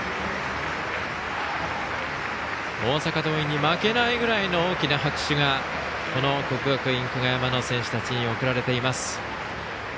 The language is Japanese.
大阪桐蔭に負けないぐらいの大きな拍手が国学院久我山の選手たちに送られています。